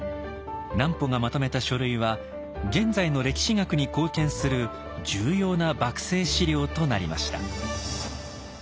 南畝がまとめた書類は現在の歴史学に貢献する重要な幕政史料となりました。